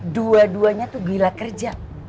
dua duanya itu gila kerja